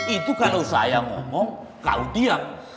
itu kalau saya ngomong kau diam